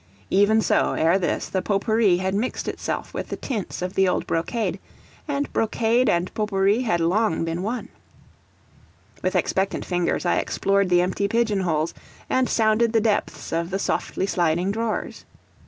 Even so, ere this, the pot pourri had mixed itself with the tints of the old brocade, and brocade and pot pourri had long been one. With expectant fingers I explored the empty pigeon holes and sounded the depths of the softly sliding drawers.